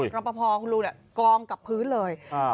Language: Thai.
รอบพอร์คุณลูกเนี่ยกองกับพื้นเลยอ่า